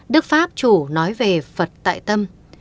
đức pháp chủ nói về phật tại tâm